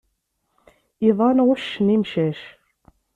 Iḍan ɣuccen imcac.